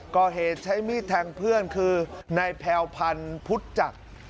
ก่อเหตุใช้มีดแทงเพื่อนคือนายแพลวพันธ์พุทธจักร